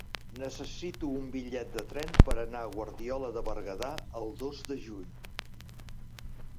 Necessito un bitllet de tren per anar a Guardiola de Berguedà el dos de juny.